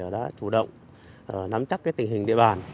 đã chủ động nắm chắc tình hình địa bàn